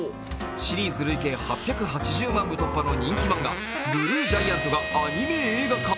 シリーズ累計８８０万部突破の人気漫画「ＢＬＵＥＧＩＡＮＴ」がアニメ映画化。